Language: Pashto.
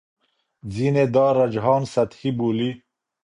ځینې دا رجحان سطحي بولي.